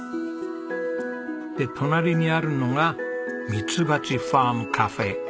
で隣にあるのがみつばちファームカフェ。